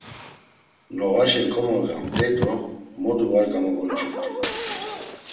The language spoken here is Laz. Noğaşen komomiğamt̆ey do modu var gamovonç̌urt̆it.